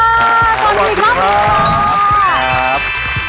ขอบพิคับ